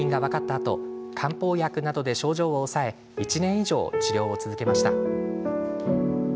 あと漢方薬などで症状を抑え１年以上、治療を続けました。